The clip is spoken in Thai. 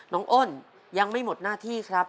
อ้นยังไม่หมดหน้าที่ครับ